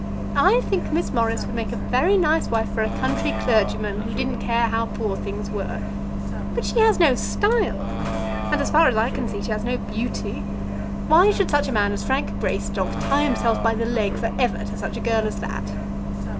I think Miss Morris would make a very nice wife for a country clergyman who didn't care how poor things were. But she has no style; and as far as I can see, she has no beauty. Why should such a man as Frank Greystock tie himself by the leg for ever to such a girl as that?